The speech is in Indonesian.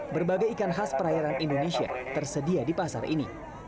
berbagai ikan khas perairan indonesia tersedia di pasar ini